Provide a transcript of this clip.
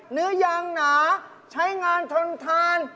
เนื้อยางหนาใช้งานทนทาน